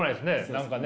何かね。